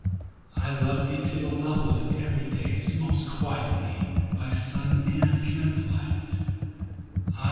I love thee to the level of everyday's Most quiet need, by sun and candlelight.